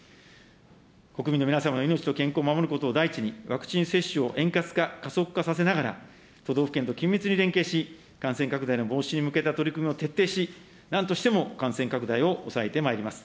国民の皆様の命と健康を守ることを第一に、ワクチン接種を円滑化、加速化させながら都道府県と緊密に連携し、感染拡大の防止に向けた取り組みを徹底し、なんとしても感染拡大を抑えてまいります。